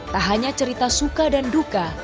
tak hanya cerita suka dan duka